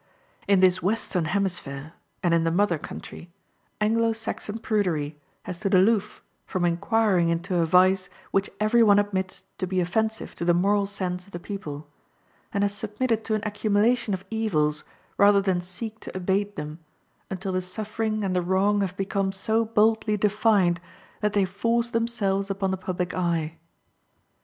In this Western hemisphere, and in the mother country, Anglo Saxon prudery has stood aloof from inquiring into a vice which every one admits to be offensive to the moral sense of the people, and has submitted to an accumulation of evils rather than seek to abate them, until the suffering and the wrong have become so boldly defined that they force themselves upon the public eye.